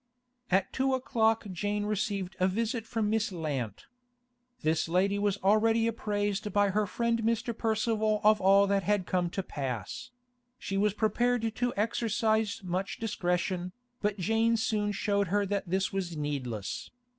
At two o'clock Jane received a visit from Miss Lant. This lady was already apprised by her friend Mr. Percival of all that had come to pass; she was prepared to exercise much discretion, but Jane soon showed her that this was needless.